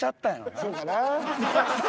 そうかな。